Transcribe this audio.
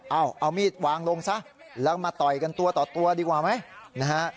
เอาเอามีดวางลงซะแล้วมาต่อยกันตัวต่อตัวดีกว่าไหมนะฮะ